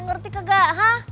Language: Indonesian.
ngerti ke gak